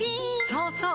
そうそう！